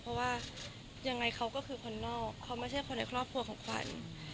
เพราะว่ายังไงเขาก็คือคนนอกเขาไม่ใช่คนในครอบครัวของขวัญ